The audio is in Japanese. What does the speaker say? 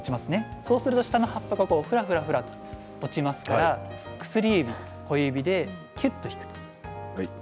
そうすると下の刃がふらふらと落ちますから薬指と小指できゅっと引く。